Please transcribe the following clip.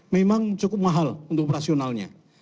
memang cukup mahal untuk operasionalnya